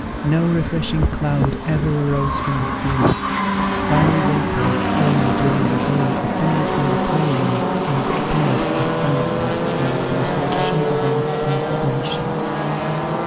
No refreshing cloud ever arose from the sea: fiery vapours, only, during the day, ascended from the plains, and appeared, at sunset, like the reflection of a vast conflagration.